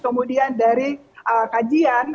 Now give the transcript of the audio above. kemudian dari kajian